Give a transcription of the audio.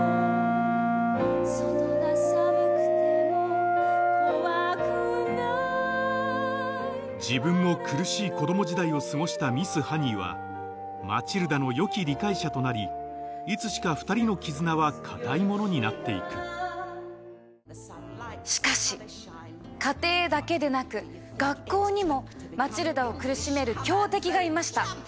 外が寒くても怖くない自分も苦しい子供時代を過ごしたミス・ハニーはマチルダの良き理解者となりいつしか２人の絆は固いものになっていくしかし家庭だけでなく学校にもマチルダを苦しめる強敵がいました。